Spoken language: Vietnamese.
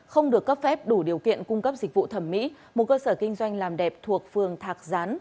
không được cấp phép đủ điều kiện cung cấp dịch vụ thẩm mỹ một cơ sở kinh doanh làm đẹp thuộc phường thạc gián